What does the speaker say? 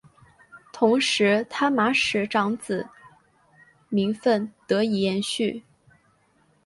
同时他玛使长子名份得以延续。